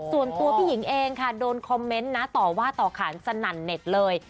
ส่วนตัวพี่หญิงเองค่ะโดนคอมเมนต์นะต่อว่าต่อขานสนั่นเน็ตเลย